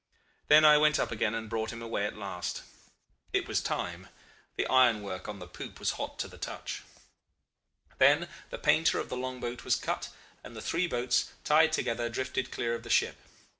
Then I went up again and brought him away at last. It was time. The ironwork on the poop was hot to the touch. "Then the painter of the long boat was cut, and the three boats, tied together, drifted clear of the ship.